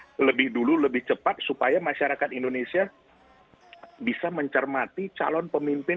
bisa proses ini lebih dulu lebih cepat supaya masyarakat indonesia bisa mencermati calon pemimpin